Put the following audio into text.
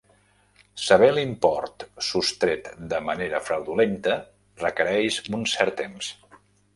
Saber l'import sostret de manera fraudulenta requereix un cert temps.